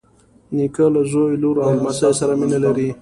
نیکه له زوی، لور او لمسیو سره مینه لري.